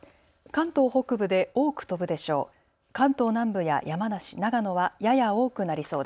関東北部で多く飛ぶでしょう。